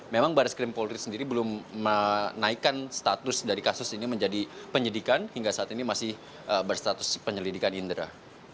memang baris krim polri sendiri belum menaikkan status dari kasus ini menjadi penyidikan hingga saat ini masih berstatus penyelidikan indra